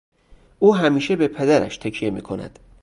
او همیشه به پدرش تکیه میکند.